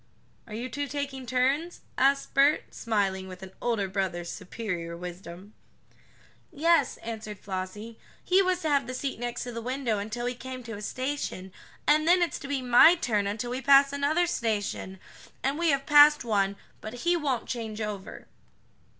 "Are you two taking turns?" asked Bert, smiling with an older brother's superior wisdom. "Yes," answered Flossie, "he was to have the seat next to the window until we came to a station, and then it's to be my turn until we pass another station, and we have passed one, but he won't change over."